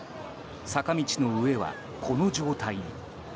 坂道の上は、この状態に。